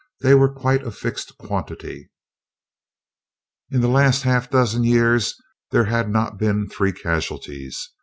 They were quite a fixed quantity. In the last half dozen years there had not been three casualties.